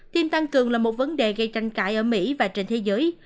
tin tăng cường là một vấn đề gây tranh cãi ở mỹ và trên thế giới